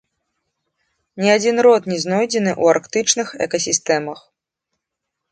Ні адзін род не знойдзены ў арктычных экасістэмах.